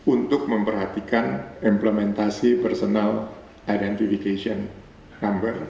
untuk memperhatikan implementasi personal identification number